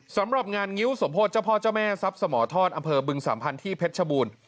สำหรับงานงิ้วสมโพธิเจ้าพ่อเจ้าแม่ทรัพย์สมทอดอำเภอบึงสัมพันธ์ที่เพชรชบูรณ์